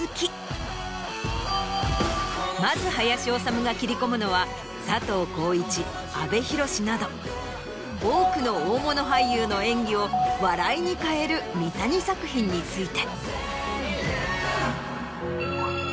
まず林修が切り込むのは佐藤浩市阿部寛など多くの大物俳優の演技を笑いに変える三谷作品について。